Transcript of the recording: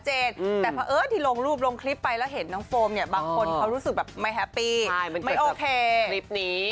จริงบ้างล่ะนู่นนี่นะครับ